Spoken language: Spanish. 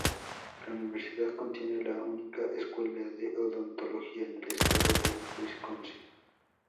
La Universidad contiene la única escuela de odontología en el estado de Wisconsin.